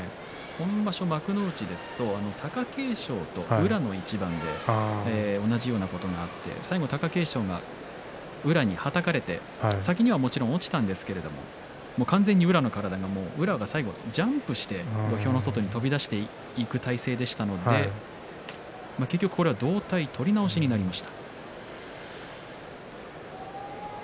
今場所、幕内ですと貴景勝と宇良の一番で同じようなことがあって最後、貴景勝が宇良にはたかれて先にはもちろん落ちたんですけれども完全に宇良が最後ジャンプして土俵の外に飛び出していく体勢でしたので結局これは同体取り直しになりました。